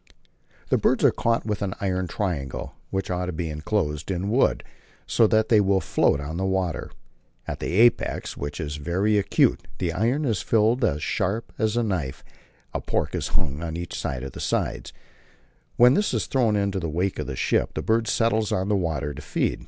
The birds are caught with an iron triangle, which ought to be enclosed in wood, so that it will float on the water. At the apex, which is very acute, the iron is filed as sharp as a knife, and pork is hung on each of the sides. When this is thrown in the wake of the ship, the bird settles on the water to feed.